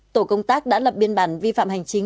tổ công tác đã lập biên bản vi phạm hành chính